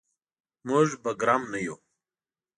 موږ به ګرم نه یو.